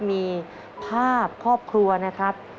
มีภาพครอบครัวนะครับ